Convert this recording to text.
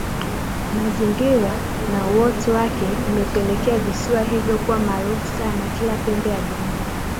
Mazingira na uoto wake imepelekea visiwa hivyo kuwa maarufu sana kila pembe ya dunia